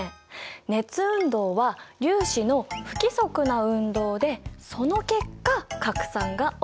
熱運動は粒子の不規則な運動でその結果拡散が起きる。